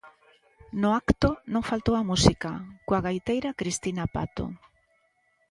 No acto non faltou a música, coa gaiteira Cristina Pato.